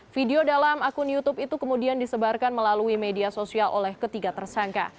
video dalam akun youtube itu kemudian disebarkan melalui media sosial oleh ketiga tersangka